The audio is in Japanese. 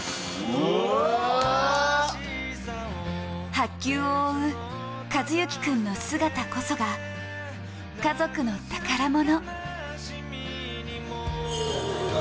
白球を追う寿志君の姿こそが家族の宝物。